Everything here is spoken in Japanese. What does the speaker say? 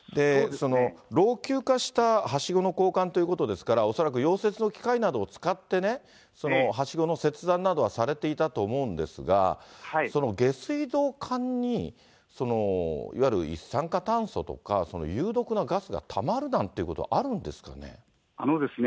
老朽化したはしごの交換ということですから、恐らく溶接の機械などを使って、はしごの切断などはされていたと思うんですが、その下水道管に、いわゆる一酸化炭素とか、有毒なガスがたまるなんていうことあるんですかね。